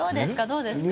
どうですか？